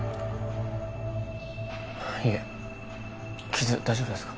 いえ傷大丈夫ですか？